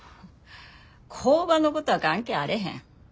工場のことは関係あれへん。